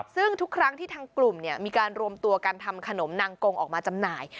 ซึ่งทุกครั้งที่ทางกลุ่มมีการรวมตัวกันทำขนมนางกงออกมาจำหน่าย